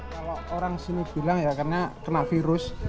kalau orang sini bilang ya karena kena virus